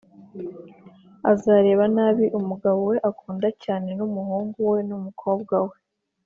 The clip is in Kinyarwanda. azareba nabi umugabo we akunda cyane n’umuhungu we n’umukobwawe,